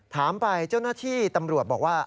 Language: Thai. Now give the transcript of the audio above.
ถามไปเจ้าหน้าที่ตำรวจบอกว่า